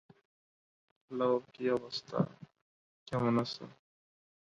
The recordings include five albums-worth of material as sold on iTunes.